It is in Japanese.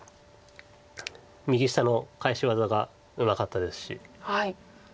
右下の返し技がうまかったですし。